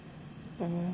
うん。